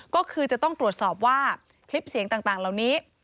ก็คือจะต้องตรวจสอบว่าคลิปเสียงต่างเหล่านี้